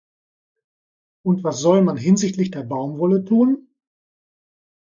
Und was soll man hinsichtlich der Baumwolle tun?